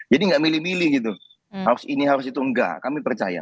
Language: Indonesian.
jadi gak milih milih gitu harus ini harus itu enggak kami percaya